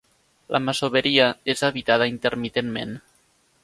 La masoveria és habitada intermitentment.